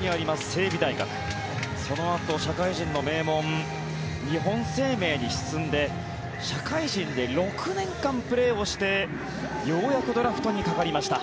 成美大学そのあと、社会人の名門日本生命に進んで社会人で６年間プレーをしてようやくドラフトにかかりました。